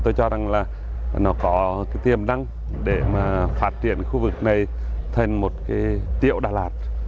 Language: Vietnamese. tôi cho rằng là nó có tiềm năng để phát triển khu vực này thành một tiểu đà lạt